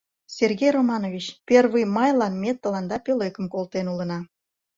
Сергей Романович, Первый майлан ме тыланда пӧлекым колтен улына.